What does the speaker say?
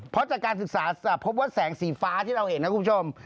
เพราะจากการศึกษาพบว่าแสงสีฟ้าที่เราเห็นนะคุณผู้ชม